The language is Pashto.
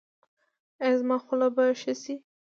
ایا زما خوله به ښه شي؟